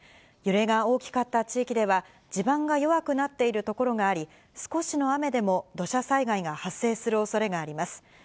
揺れが大きかった地域では、地盤が弱くなっている所があり、少しの雨でも土砂災害が発生するおそれがあります。